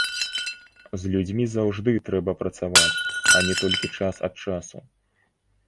З людзьмі заўжды трэба працаваць, а не толькі час ад часу.